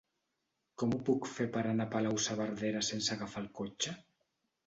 Com ho puc fer per anar a Palau-saverdera sense agafar el cotxe?